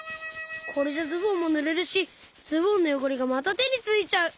これじゃズボンもぬれるしズボンのよごれがまたてについちゃう！